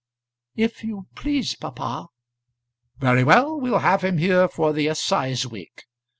"If you please, papa." "Very well, we'll have him here for the assize week.